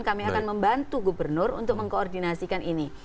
kami akan membantu gubernur untuk mengkoordinasikan ini